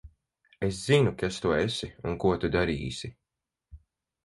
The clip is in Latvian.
Es zinu, kas tu esi un ko tu darīsi.